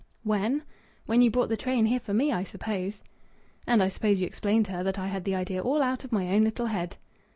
"When?... When you brought the tray in here for me, I suppose." "And I suppose you explained to her that I had the idea all out of my own little head?"